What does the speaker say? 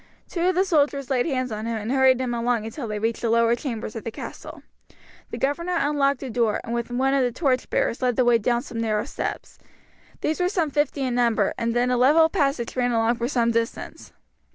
Two of the soldiers laid hands on him and hurried him along until they reached the lower chambers of the castle. The governor unlocked a door, and with one of the torch bearers led the way down some narrow steps. These were some fifty in number, and then a level passage ran along for some distance.